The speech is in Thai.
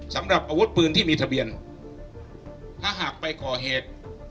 สำหรับอาวุธปืนที่มีทะเบียนถ้าหากไปก่อเหตุ